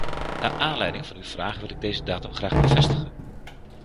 Naar aanleiding van uw vraag wil ik deze datum graag bevestigen.